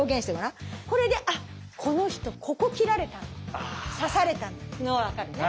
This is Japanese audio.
これで「あこの人ここ斬られたんだ刺された」のが分かるね。